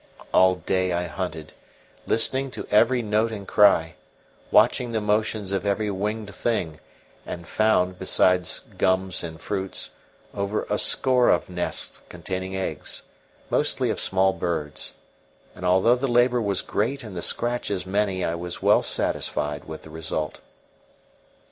All day I hunted, listening to every note and cry, watching the motions of every winged thing, and found, besides gums and fruits, over a score of nests containing eggs, mostly of small birds, and although the labour was great and the scratches many, I was well satisfied with the result.